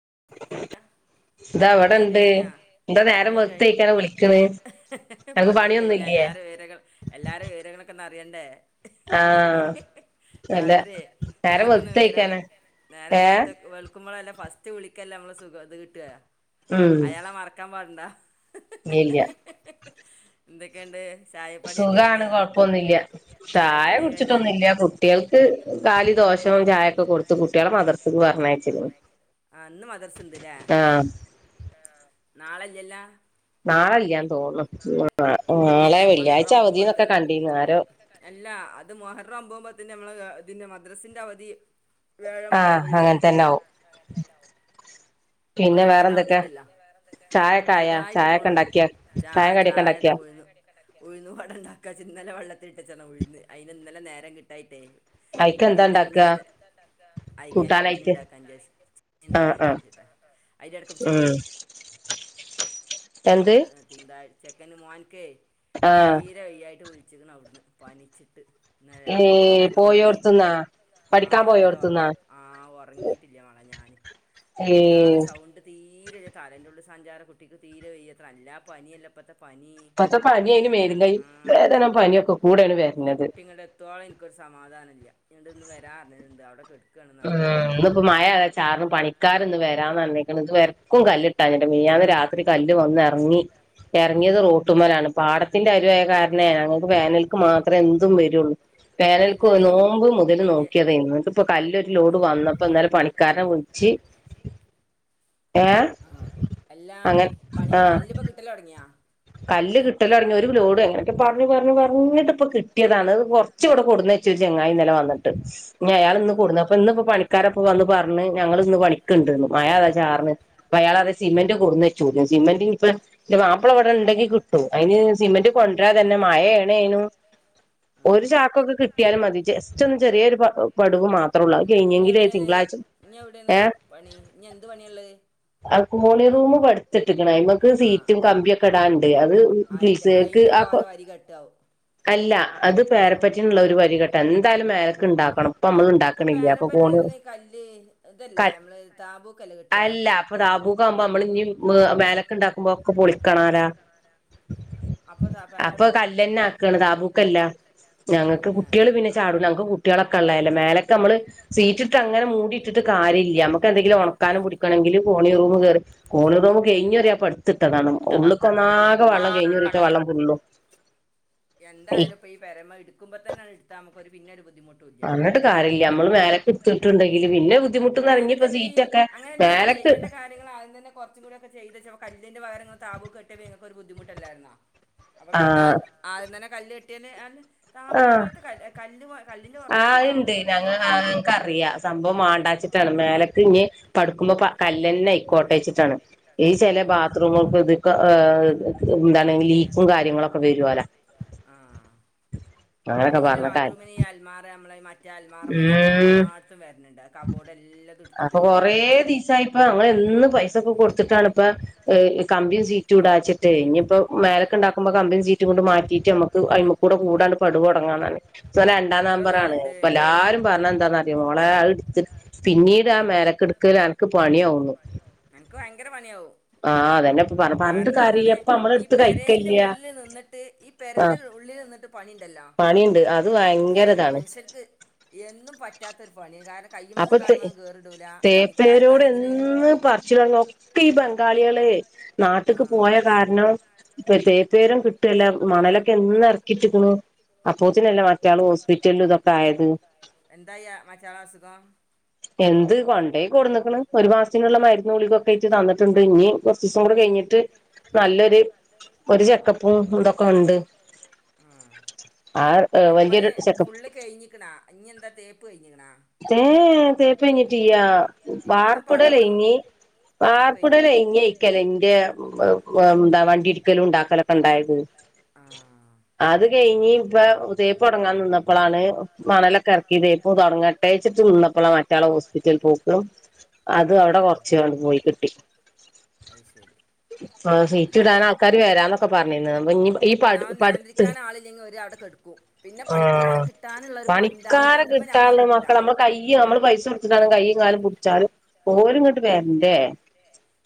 [unintelligible] ഇത് അവിടെ ഇണ്ട് എന്താ നേരം വെള്ത്തക്കാന വിളിക്കണ് നക്ക് പണിയൊന്നും എല്ലാരും വിവവരങ്ങൾ എല്ലാരും വിവവ രങ്ങൊക്ക ഒന്ന അറിയണ്ടേ ആഹ രാത്രിയ ഇങ്ങൊക്കെ ഒന്ന് വരാ നേരള വളക്കുമ്പോളല്ല ഫസ്റ്റ് വിളിക്കല്ല നമ്മള് സുഖ ഇത് കിട്ടുക അയാളെ മറക്കാൻ പാടണ്ടാ ഇല്ല്യ എന്തൊക്കെയണ്ട് സുഖാണ് കൊഴപ്പൊന്നുമില്ല ചായ കുടിച്ചിട്ടൊന്നുമില്ല കുട്ടികൾക്ക് കാലി തോന്ന ശം ചായൊക്കെ കൊടുത്ത് കുട്ടികളെ മദ്രസക് പറഞ്ഞയച്ചിരുന്നു അന്ന് മദർസ് ഇണ്ട്ല്ലേ നാളല്ലല്ല നാളെ ല്ലാ ന്ന് തോന്നുന്നു മൊഹറമ്പമ്പത്തൽ അല്ല അത് മൊഹറ അമ്പ [unintelligible] ഞമ്മള് തിന്റെ മദ്രസ്ന്റെ അവധി ആ ഹങ്ങൻതന്നെ ആവും പിന്നെ വേറെന്തൊക്കെ ചായൊക്കായ ചായൊക്കെണ്ടാക്കിയാ ചായ കടിയൊക്കെണ്ടാക്കിയാ ഉഴുന്ന് വടണ്ടാക്കാച്ച് ഇന്നലെ വള്ളത്തിട്ടച്ചത ഉഴ്ന്ന് അയ്ന് ഇന്നലെ നേരം കിട്ടായ്ട്ടേ അയ്ക്കെന്താണ്ടാക്ക അയ്ക്ക് ഞാൻ ചട്ട്നിണ്ടാക്കാൻചാര്ച്ച് [unintelligible] ണ്ടാക്കാൻചാര്ച്ച് ഉം തിങ്കളാഴ്ച്ചക്കെന്നെ മോൻക്കെ തീരെ വയ്യായിട്ട് വി ച്ചിര്ന്ന് അവ്ട്ന്ന് പനിച്ച്ട്ട് ഏ പോയോട്ത്തന്നാ ആ ഇന്നലെ ഒ ആ ഒർങ്ങീട്ടില്ലമളെ ഞാന് എന്താണ് സൗണ്ട് തീ തീരെല്ല തലന്റുള്ള് സഞ്ചാരം കുട്ടിക്ക് തീരെ വയ്യ നല്ല പനിയല്ലെപ്പത്തെ പ്പത്തെ പനി അയ്ന് മേലും കയ്യും വേദന പനിയൊക്കെ കൂടേണ് വര്ണത് ക്ക് ഒരു സമാധാല്ല്യ ഞ്ഞിങ്ങട്ന്ന് വരാർഞ്ഞിണ്ട് അവ്ടെ കെ ഉം ഇന്ന്പ്പോ മഴതാ ചാറ്ണ് പണിക്കാര്ന്ന് വരാന്ന്പറഞ്ഞ്ക്ക്ണ് ഇത് വ ര്ക്കും കല്ല്ട്ടാഞ്ഞ്ട്ട് മിയാന്ന് രാത്രി കല്ല് വന്നു എർങ്ങി എർങ്ങിയത് റോ ട്ടുമ്മലാണ് പാടത്തിന്റെ അരു ആയ കാര ഏ ഞങ്ങൾക്ക് വേനൽക്ക് മാത്രേ എന്തും വരുള്ളൂ വേനൽക്ക് നോമ്പ് മുതൽ നോക്കിയതേനു ഇപ്പൊ കല്ലൊര് ലോഡ് വന്നപ്പോന്നലെ പണിക്കാരെ വുൾച്ച് ആ എല്ലാ പണി കല്ല്പ്പൊ കിട്ടലാെടങ്ങ്യ കല്ല കിട്ടലാെട്ങ്ങി ഒര് ലോഡ് കല്ല [unintelligible] പർഞ്ഞു പർഞ്ഞു പർഞ്ഞിട്ട് പ്പൊ കിട്ടിയതാണ് അത് കാെർച്ച് ബടെ കൊട്ന്നെച്ച്ണ് ചെങ്ങായിന്നലെ വന്ന്ട്ട് ഞ്ഞി അയാ അയാളിന്ന് കൊട്ന്ന് അപ്പൊ ഇന്ന് പ്പം പണിക്കാരെപ്പം വന്ന് പർഞ്ഞ് ഞങ്ങൾ ഇന്ന് പണിക്ക്ണ്ട് മായതാ ചാർണ് പ്പയാള സിമന്റ് കൊട്ന്നെച്ചുന്ന് സിമെന്റിപ്പ ന്റെ മാപ്പളവ്ടെണ്ടെങ്കി കിട്ടും അയ്ന് സിമന്റ് കൊണ്ട് ര തന്നെ മായയേണേനു ഒരു ചാക്കൊക്കെ കിട്ട്യാലും മതി ജസ്റ്റ് ഒന്ന് ചെറ്യേരു പ പടുവ് മാത്രാെള്ളു അത് കെയ്ഞ്ഞെങ്കിലെ തിങ്ക്ള ഇഞ്ഞൊവ്ടേണ് പണി ഇഞ്ഞെന്ത് പണിയാള്ളെത് ആ കോണി റൂമ് പട്ത്ത്ട്ട്ക്ക്ണ് അയ്മക്ക് സീറ്റും കമ്പ്യാെക്കെ ടാണ്ട് അത് ദീസേക്ക് ആ കൊ ട്ട വാരികെട്ടാവും അല്ല അത് പാരപ്പറ്റിൻള്ളാെരു വരി കെട്ട ന്തായാലും മേലക്ക്ണ്ടാക്കണം ഇപ്പമ്മള് ണ്ടാക്കണില്ല പ്പൊ കോ [unintelligible] ക്ക അല്ല പ്പൊ ദാബൂക്കാവുമ്പോ മ്മളിഞ്ഞി മ് മേലെ ക്ക്ണ്ടാക്കുമ്പോ അ ഒക്കെ പൊളിക്കണാരാ അപ്പം അപ്പൊ കല്ലന്നെ ആക്കാണ് താബൂക്കല്ല ഞങ്ങക്ക് കുട്ട്യേള് പിന്നെ ചാടൂ ഞങ്ങക്ക് കുട്ട്യേളൊക്കെള്ളല്ലേ മേലക്കമ്മള് സീറ്റിട്ട് അങ്ങനെ മൂടി ട്ട്ട്ട് കാര്യില്ല നമുക്കെന്തെങ്കിലും ഒൺക്കാനും പിടിക്കണെങ്കില് കോണി റൂമ് കേറി കോണി റൂമ് കയ്ഞ്ഞുറിയാ പട്ത്ത്ട്ടത ഉള്ളുക്കൊന്നകെ വള്ളം കയ്ഞ്ഞുറീത്തെ വള്ളം ഫുള്ളും എന്തായാലും പ്പൊ ഈ പെരമെ ഇട്ക്ക്മ്പോ തന്നേണ്ട് ട്ത്താ നമുക്കാെര് പിന്നെ ഒരു ബു പർഞ്ഞിട്ട് കാര്യല്ല അമ്മള് മേലക്ക്ട്ത്തിട്ടുണ്ടെങ്കില് പിന്നെ ബുദ്ധിമുട്ട്ന്ന്റയ ഞ്ഞ്പ്പ സീറ്റൊക്കെ മേ ആ ചെയ്യണ്ട കാര്യങ്ങള് ആദ്യം തന്നെ കാെർച്ചും കൂടി ഒക്കെ ചെയ്തെച്ച ക തിന്റെ പകരങ്ങള് താബൂക്ക് കെട്ടിയപ്പ ഇങ്ങക്കാെര് ബുദ്ധിമുട്ടല്ലായിരുന്ന അപ്പ ക ത ആ ഇന്നലെ കല്ലെട്ടിയെനെ അല് താപൂക്ക് പോൽത്തെ കൽ കല്ല് പോ ആ അത്ണ്ട് ഞങ്ങള്ക്കറിയ സംഭവം മണ്ടാച്ചിട്ടാണ് മേലക്ക്ഞ്ഞ് പട്ക്കും മ്പോ കല്ലന്നെയ്ക്കോട്ടെച്ചിട്ടാണ് ഈ ചെല ബാത്റൂം ദ്ക്ക ആ ന്താ ണ് ലീക്കും കാര്യങ്ങളൊക്കെ വരോലാേ ആ അല്ലെങ്കിൽ ബാത്റൂമിന് ഈ അൽമാറ നമ്മളെ ഇ മ റ്റേ അൽമാറമ്മന്ന് എല്ലാട്ത്തും വര്ണ് ണ്ട് അപ്പൊ കൊറേ ദിവസായിപ്പ ങ്ങളെന്നും പൈസൊക്കെ കൊടുത്തിട്ടാണ് ഇപ്പ കമ്പിയും സീറ്റുടാച്ചിട്ടെ ഇഞ്ഞ്പ്പൊ മേലെക്ക്ണ്ടാക്കുമ്പോ കമ്പിയും സീറ്റും കൊണ്ട് മക്ക് അ്മ കൂടെ കൂടാാണ് പടുവ തുടങ്ങന്നാണ് രണ്ടാം നമ്പറ ആാണ് ഇപ്പൊ എല്ലാരും പറഞ്ഞ എന്താ മോളെ പിന്നീട് ആ മേലക്കെടുക്കൽ എനിക്ക് പണിാവുന്നു ആഹ് അതന്നെ ഇപ്പ പറ പറഞ്ഞട്ട കാര്യ അപ്പ നമ്മള എടുത്ത് കഴിക്കല ഈ പെരന്റെ ഉള്ളിൽ നിന്നിട്ട് പണിയുണ്ടല്ലോ അ മനുഷ്യർക്ക് എന്നും പറ്റാത്തൊ ഒരു പണി കാരണം കയ്യ വന്നും കാലമന്നും കേറിടു തേപ്പേരോട്ന്ന് പറിച്ചില ഒക്കെ ഈ ബംഗാളികള് നാട്ടക്ക് പോയാ കാരണം ഇപ്പൊ എത്രേ പേരും കിട്ടുവല്ല മണലൊക്കെ എന്ന് ഇറക്കിട്ടിരിക്കുന്നു എന്തായ്യ മച്ചളം അസുഖം എന്ത് കൊണ്ടേ കൊടു നിക്കണ് ഒരു മാസത്തിനുള്ള മരുന്നളികൊക്കെ ആട്ട് തന്നിട്ടുണ്ട് ഇനി കുറച്ച് ദിവസം കൂടെ ക ഴ് നല്ലൊരു ഒരു ചെക്കപ്പും ഇതൊക്കെ ഉണ്ട് ഉം പെരപ്പണി ഫുള്ള് കഴിഞ്ഞിക്കണാ ഇനി എന്താ തേപ്പ് കഴിഞ്ഞിക്കണാ സേപ്പഴഞ്ഞിട്ട്യ വാർപ്പുടല്ല ഇങ്ങ ആർപ്പുടല്ലേ ഇനിയിക്കല ഇന്റെ എന്താ വണ്ടി ഇരിക്കലും ഉണ്ടാക്കലൊക്കെ ഉണ്ടായത് [unintelligible] അത് കഴിഞ്ഞ് ഇപ്പൊ ഉതയപ്പ് തുടങ്ങാൻ നിന്നപ്പോളാണ് മണലൊക്കെ ഇറക്കി ഇതേപ്പ് തുടങ്ങട്ടെ പ്പ ഹോസ്പിറ്റൽ പോക്കും അത് അവിടെ കൊറച്ച്ണ്ട് പോയി കിട്ടി ആ സീറ്റ് ഇടൻ ആൾക്കാാര് വരാന്നൊക്കെ പറഞ്ഞിന്ന ഒന്നാമ നിയന്ത്രിക്കാൻ ആളില്ലെങ്കിൽ ഒരു അവിടെ എടുക്കും പിന്നെ പണിക്കാരെ കിട്ടാനുള്ള ഒരു പ ക്കാര കിട്ടാുള്ള മക്കള നമ്മ കയ്യ നമ്മള് പൈസ കൊടുക്ക കയ്യും കാലുംടിച്ചാലും പോരും ഇങ്ങോട്ട് വരണ്ടേ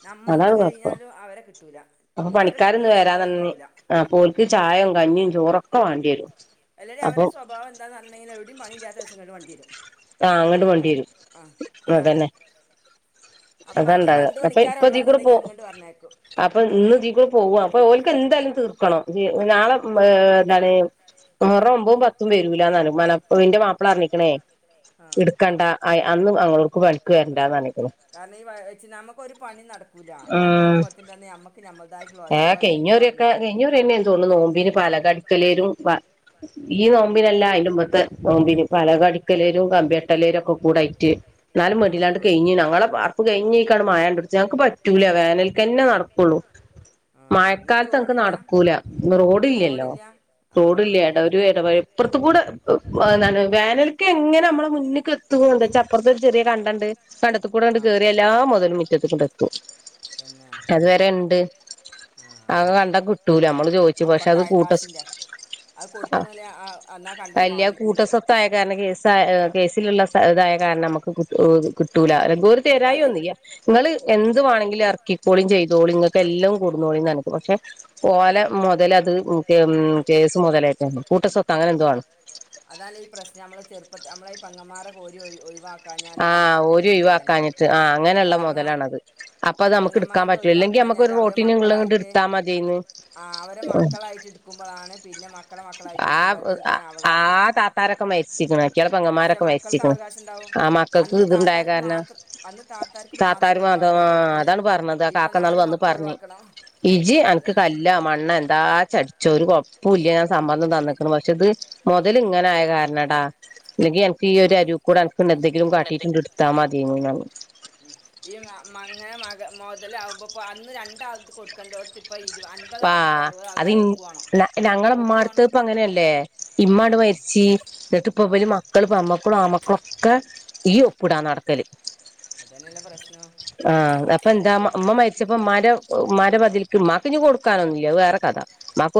നമ്മളത് കഴിഞ്ഞാലും അവരെ കിട്ടൂല അവരെ കിട്ടുമ്പോ നമ്മള ഒഴിവാവൂല ചായയും കഞ്ഞിയും ചോറൊക്കെ വേണ്ടി വരും അല്ലാടെ അവരുടെവഭാവം എന്താന്ന് പറഞ്ഞുെങ്കിൽ എവിടെയും പണയിില്ലാത്ത ദിവസങ്ങള വണ്ടിടും ആഹ അങ്ങോട്ട് വണ്ടി വരും അതന്നെ അതണ്ടാക അപ്പേ ഉള്ളുണ്ടെങ്കിൽങ്ങോട്ട പറഞ്ഞോം അപ്പൊ ഇന്ന് ജീക്കൂടെ പോകവാ അപ്പൊ ഓലക്ക് എന്തായാലും തീർക്കണം നാളെ എന്താണ് നൂറ ഒമ്പും പത്തും പേരൂല്ല മന്റെ മാപ്പിള അറിഞ്ഞിക്കണേ എടുക്കണ്ട അന്നും അങ്ങർക്ക് പണിക്ക് വരണ്ടന്നണക്കുന്നത് ഈ വച്ച് നമുൊരു പണി നടക്കൂില്ല റോ പോകുമോത്തിൻ്റെന്നെ നമ്മക്ക്മ്മളതായിട്ടുള്ള രോര ചുപാടുണ്ടാവും കഴിഞ്ഞ പററന്നെ എന്ത് തോന്നുന്നു നോമ്പിനന് പാല അടുക്കലേരും ഈ നോമ്പിനല്ല അതിന് മത്ത് പല കടിക്കലരും കമ്പേട്ടലേരും ഒക്കെ കൂടായിട്ട് എന്നാലും മണിലാണ്ട് കഴിഞ്ഞഞ് ഞങ്ങളെ അപ്പൊ കഴഞ്ഞക്കാണ് മായാണ്ട പിടിച്ചത് ഞങ്ങക്ക് പറ്റൂല വേനൽക്കന്നെ നടക്കുള്ളൂ മഴക്കാലത്ത് അനിക്ക് നടക്കൂല റോഡ് ഇല്ലല്ലോ റോഡില്ലേടാ ഒരുട ഇപ്പുറത്തും കൂടെ വേനലക്കെങ്ങെ നമ്മെ മുന്നേക്ക് എത്തുകോ എന്താ വെച്ചാ അപ്പുറത്തെ ഒരു ചെറിയ കണ്ടണ്ട്ണ്ടത്തി കൂടണ്ട് കേറിയ എല്ലാ മുതൽ മുറ്റത്ത് കൊണ്ട എത്തും അതുവരെ ഉണ്ട് അ കണ്ട കിട്ടൂല നമ്മള് ചോയിിച്ചു പക്ഷെ അത് കൂട്ട അത് കൊടുക്കണല്ലേ എന്നാ കണ്ടണ് വാങ്ങി കൂട്ടസ്വത്തായയ കാരണം കേസ കേസിലുള്ള ഇതായ കാരണം നമുക്ക് കിട്ടൂല അല്ലെങ്കിൽ ര വന്നില്ല നിങ്ങൾ എന്ത് വേണെങ്കിലും ഇറക്കിക്കോളും ചെയ്തോളും നിങ്ങൾക്ക് എല്ലാം കൂടുന്നോളി നനക്ക് പക്ഷെ പോഓലെ മുതല അത് കേസ് മുതലായിട്ടാണ് കൂട്ട സ്വത്ത അങ്ങനെ എന്തുാണ് അതാ ഈ പ്രശ്നം നമ്മള് ചെറുപ്പം നമ്മള ഈ പങ്കമാരെ കോരി ഒ ഒഴിവാക്ക ആ ഒരു ഇഴവാക്കാഞ്ഞിട്ട് ആ് അങ്ങനെയുള്ള മുതലാണത് അപ്പൊ അത് നമക്ക്ടുക്കാ പറ്റില്ലല്ലെങ്കിൽ നമുക്ക് ഒരു റോട്ടീന് നി കൊണ്ട് എടുത്താ മതിന്ന് ആ അവരെ മക്കളായിട്ട് എടുക്കുമ്പോളാണ് പിന്നെ മക്കള മക്കളായിട്ട് എടുക്കുമ്പോൾ അത് ഇങ്ങനെ അവകാശം താത്താരൊക്കെ മരിച്ചിക്കുന്നള പൊങ്ങന്മാരൊക്കെ മരിച്ചിണ അന്ന് താത്താർക്ക് മാം അന്ന് താത്താർക്ക് മാത്രം ഒഴിവാക്കണ്ടടുത്ത് ഇപ്പൊ ന ആടെ മൊത്തം ഒഴിവാക്കണം ഇജി അനക്ക് നല്ല മണ്ണെന്താ ചടിച്ചൊരു കൊയപ്പമില്ല ഞാൻ [unintelligible] സമ്മർദം തന്നിിക്കുന്നു പക്ഷെ ഇത് മുതൽ ഇങ്ങനായ കാരണാടാ ഇല്ലെങ്കി ഞങ്ങക്കീ ഒരരി കൂടാങ്ങ് പിന്നത്തേക്കും കാട്ടി ക്കൂടെ എടുത്താ മതി എങ്ങനാ ഇതലാകുമ്പം അന്ന് രണ്ടാൾക്കും കൊടുക്കണ്ടിയോട്ടെ പ അതിങ് അത് ഞങ്ങളടുംമ്മാ ടുത്തും അങ്ങനെയല്ലേ ഇമ്മാ അങ്ങട്ടെ മരിച്ചി എന്നിട്ടിപ്പം ഇവരെ മക്കളെ പെ മ്മക്കളും ആമ്മക്കളും ഒക്കെ ഈ ഒപ്പിടാൻ നടക്കലെ അതന്നെല്ലേ പ്രശ്നം ഒപ്പ്ന്നാ ഒ മരമതിൽക്കും മതിനു കൊടുക്കാനൊന്നുമിലതു വേറെ കഥ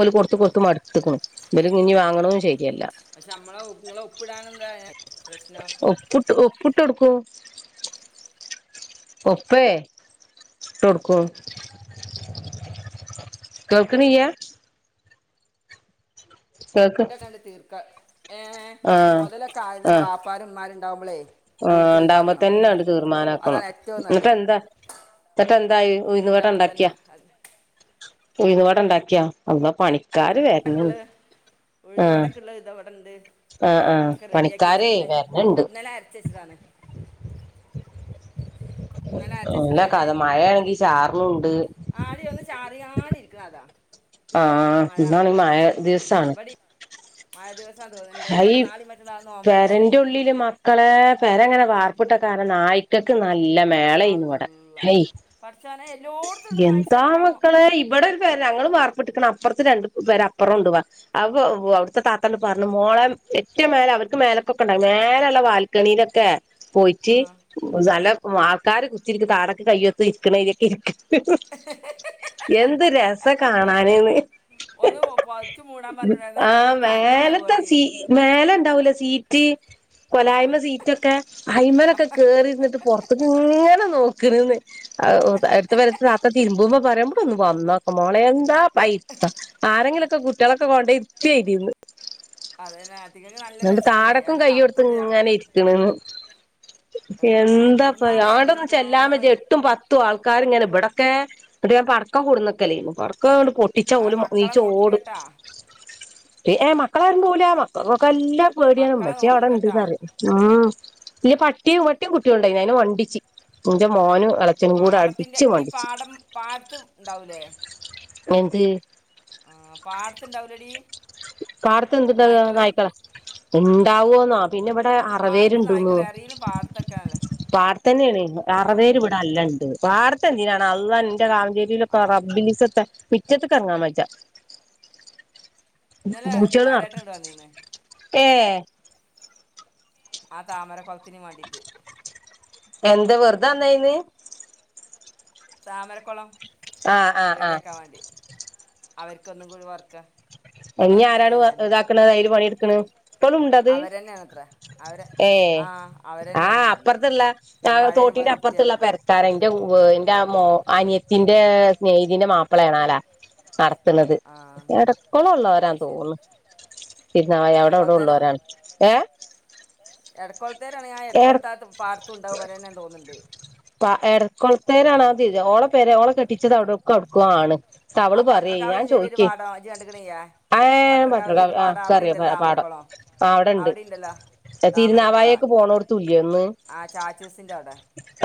ഒലെ കൊടുത്ത് കൊടുത്ത് മടുത്തേക്കണു ഇലും ഇനിതെ വാങ്ങണത ശരിയല്ല പക്ഷെ നമ്മളെ ഇങ്ങളെ ഒപ്പിടാൻ എന്തായേ ഒപ്പിട്ടു ഒപ്പുട്ടു കൊടുക്കുവോ ഒപ്പേ ഇട്ടു കൊടുക്കോ കോക്കറിയാ കണ്ട് തീർക്ക ഏ മുതലൊക്കെ ആദന [unintelligible] ന്മാരുണ്ടാവുമ്പോളേ ആ ഉണ്ടാവുമ്പത്തന്നങ്ങെ തീർമാനാക്കണം എന്നിട്ടെന്താ എന്നിട്ടെന്തായി ഉയുന്നുവട ഉണ്ടാക്കിയാ ഉയുന്നുവടൊണ്ടാക്കിയോ അപ്പ പണിക്കാര് വേരണം ആ ആ ആ പണിക്കാരേ വരണുണ്ട് [inaudible] ഇന്നലെ അച്ചച്ചതോണ്ടേ ആടി ഒന്ന് ചാറിയാടി ഇരിക്കണതാ ആ ഇളങ്ക മായ ദിസാണ് ഹായിം പേരേന്റുള്ളിലേ മക്കളെ പെരേങ്ങിനെ വാർപ്പിട്ടക്കാരണം നായ്ക്കൾക്ക് നല്ല മേള ഇവിടെ ഹയ് എന്താ മക്കളേ ഇവിടെ ഒരു പേര് ഞങ്ങളു വാർപ്പിട്ടക്കണ അപ്പുറത്ത് രണ്ടുമൂന്നു പേര് അപ്പറണ്ട് വാ അവിടുത്തെ താത്താ ന പറ ന്നു മോളെ ഏറ്റവും മേലേ അവർക്കും മേലക്കൊക്കെ ഉണ്ടാ വും മേലേ ഉള്ള ബാൽക്കണിലൊക്കെ പോയിട്ട് നല്ല ആൾക്കാരെ കുത്തിരിക്ക താടൊക്കെ കയ്യൊത്ത് ഇരിക്കണലൊക്കെ [unintelligible] എന്ത് രസാ കാണാനെന്ന് ഒന്നു പൊതച്ചു മൂടാൻ [unintelligible] പറഞ്ഞ തണുത്തിട്ടാവുകാ ഇത്ത് സി മേലേ ഇണ്ടാവൂല സീറ്റി കൊലായ്മ സീറ്റൊക്കെ അയി്മനൊക്കെ കേറിരുന്നിട്ട് പൊറ ത്തേക്കിങ്ങനെ നോക്കി കിറുന്നെ ആവു അടുത്ത പരത്തെ തിരുമ്പൂന്നെ പറയാൻ [unintelligible] [unintelligible] പോട ഒന്ന് വന്നക്ക മോളെ എന്താ വൈത്താ ആരെങ്കിലുമൊക്കെക്കെ കുട്ടികളൊക്കെ കൊണ്ട ഇത്തിയിരിന്ന് അതന്നത്തിക്കങ്ങ് നല്ല രസാണെ അതില്ല തണുപ്പ ഇട്ടില്ലൻ എന്താപ്പ ആടെന്ന് വച്ചെല്ലാമെ എട്ടും പത്തും ആൾക്കാരിങ്ങനെ ഇബടെ കേ പറടക്കം കൂടുന്നൊക്കലേ പറ ക്കഒണ്ട് പൊട്ടിച്ച പോലും നീച്ച ഓടും പിന്ന മക്കളാ പോല മ എല്ലാ പേടിയാനും പച്ചേ അവിടെ ഇണ്ടന്നെ പറ ഉ [unintelligible] ഇല്ല പട്ടിയും പട്ടിയും കുട്ടിയുണ്ടായി അയിന് വണ്ടിച്ചി നന്റെ മോനും പാടത്തിന്റെ ഈ പാടം പാടത്ത് ഉണ്ടാവൂലേ എന്തേ ആ പാടത്തിണ്ടാവില്ലടി കാടത്ത് എന്തുണ്ടെ നായ്ക്കള ഉണ്ടാവുവോന്നോ പിന്നിവിടെ അറവേരുണ്ടന്നു പാടത്തന്നെയാണ് അറവേര് ഇവിടെ അല്ലണ്ട് വാടത്തെന്തിനാണ് അതവാ എന്റെ കാവഞ്ചേരിയിലൊക്ക റബിലിസത്തെ മിറ്റത്ത്ക്ക് എർങ്ങാ ബെജ്ജ ഇന്നലെ കുമാരേട്ടങ്ങട്ട് വന്നീന്ന് പേ ആ താമര കൊള്ത്തിനും വാണ്ടിട്ട് എന്ത വെറ്തെ വന്നെന്ന് താമരക്കുളം ആ ആ ആ അവര്ക്കൊന്നും കൂടി വർക്ക എഞ്ഞ് ആരാണ് വ ഇതാക്ക്ണ് അയി ല് പണിയെട്ക്ക്ണ് ഇപ്പളും ഇണ്ടത് ഏ ആ അപ്പ്ർത്ത്ള്ള [unintelligible] കുട്ടിന്റെ അപ്പർത്ത്ള്ള ആ പെരക്കാരൻ എന്റെ വേ എന്റെ ആ മോ അനിയത്തിന്റെ സ്നേഹിതിന്റെ മാപ്പിളെയാണെല്ലേ നട ത്ത്ണത് എട കൊളോ ഉള്ളോരാൺ തോൺണ് തിരു നാവാഴ അവിടെ എവിടെ ഉള്ളോരാണ് ഏ എടക്കൊൾ ഇന്നേരാണ് ഞാ എടക്കൊൾത്താ ആ പാട്ത്ത് ഇണ്ടാവു ഇവരന്നെ തോന്ന്ണ്ട് [unintelligible] ഓള പെര ഓളെ കെട്ടിച്ചത് അവ്ട്കൊടുക്കാണ് ആ പട്ടർക്കാവിലില്ലെടി ഒരു വാടാ ഇജ്ജ് കണ്ടിക്കിണില്ലേ പട്ടർക്കാവിലൊരു പാടം അവിടെ ഇണ്ടല്ലോ താമരക്കൊളം അവിടെ ഇണ്ടല്ലോ എ തിരുനാവായെക്ക് പോണോട്ത്തു ല്യേ ഒന്ന്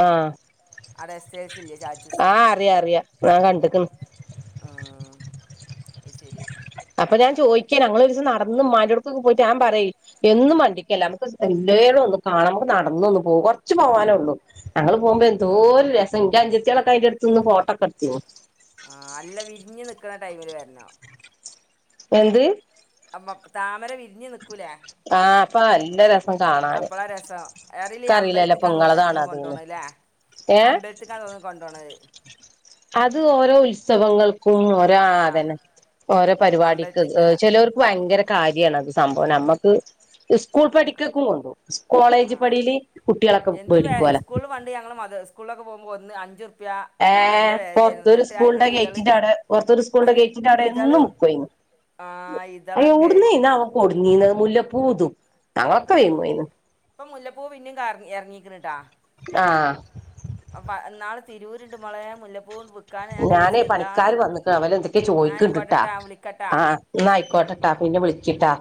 ആ ആ ടെസ്റൈൽസ് ഇല്ലേ ചാച്ചസ് ആ അഹ് ശരി ഞാൻ ചോയിക്കാണ് ഞങ്ങൾ ഒരിസം നടന്ന് ഇമ്മന്റോട്ക്കൊക്കെ പോയിട്ട് ഞാൻ പറയ് എന്നും മണ്ടിക്കല്ല നമ്മക്ക് ഒരീസം [unintelligible] കാണുമ്പോക്ക് നടന്നൊന്ന് പോവും കൊറച്ച് പോവാനൊള്ളൂ ഞങ്ങള് പോവുമ്പോ എന്തോരു രസം ഇന്റെ അഞ്ചത്തിളൊക്കെ അയിന്റെ അട് ത്ത്ന്ന് ഫോട്ടോക്കേട്ത്തിനി ആ അല്ല വിരിഞ്ഞ് നിക്ക്ണ ആ ടൈമില് വരണം എന്ത് പ് താമര വിരിഞ്ഞ് നിക്കൂലേ ആ അപ്പ ന്നല്ല രസ അപ്പളാ രസം ഏതെലു ഈ അമ്പലത്തിക്കാതോന്ന്ണ് അയിറ്റങ്ങള് കൊണ്ടൊണ്ല്ലെ അമ്പലത്തിക്കാ തോന്ന്ണ് കൊണ്ടൊണ് അത് ഓരോ ഉത്സവങ്ങൾ ക്കു ഓരോ ആ അതന്നെ ഓരോ പരിവാടിക്ക് ചേലോർക്ക് വയങ്കര കാര്യാണത് സംഭവം നമ്മുക്ക് സ്കൂൾ പഠിക്കക്കും കൊണ്ടു സ് കോളേജ് പടിയില് കുട്ടിളൊക്കെ വേടിക്കോലോ ഒന്ന് അഞ്ചുർ ഏ പൊർത്തൊരു സ്കൂളിന്റെ ഗേറ്റിന്റെ അടെ പൊർത്തൊരു സ്കൂളിന്റെ ഗേറ്റിന്റെ അടെ എന്നും ബിക്കെന്നു യൊ യോട്ന്നെന്നാവോ കൊടന്നീന്നെ മുല്ല പൂവും ഇതും ആ ഇപ്പം മുല്ലപ്പൂ അപ്പ ന്നാള് തി ഞാന് പണിക്കാര് വന്ന്ക്ക്ണ് അവല് എന്തൊക്കെയാ ചോയ്ക്ക്ണ്ട്ട്ടാ ആ എന്ന അയിക്കോട്ടെട്ടാ പിന്നെ വിളിച്ചിട്ടാ